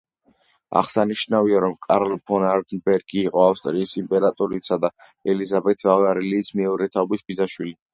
აღსანიშნავია, რომ კარლ ფონ არენბერგი იყო ავსტრიის იმპერატრიცა ელიზაბეთ ბავარიელის მეორე თაობის ბიძაშვილი.